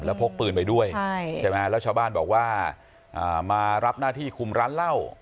พกปืนไปด้วยใช่ไหมแล้วชาวบ้านบอกว่ามารับหน้าที่คุมร้านเหล้า